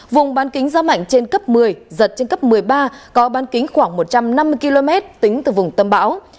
vùng bán kính gió mạnh trên cấp một mươi giật trên cấp một mươi ba có bán kính khoảng một trăm năm mươi km tính từ vùng tâm bão